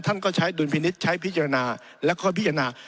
ท่านก็ใช้ดุลพินิษฐ์ใช้พิจารณาแล้วก็พิจารณา